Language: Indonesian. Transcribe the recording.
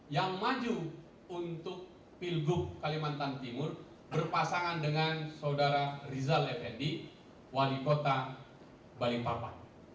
yang maju untuk pilgub kalimantan timur berpasangan dengan saudara rizal effendi wali kota balikpapan